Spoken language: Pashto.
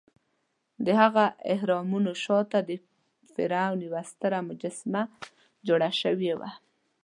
دهغه اهرامونو شاته د فرعون یوه ستره مجسمه جوړه شوې وه.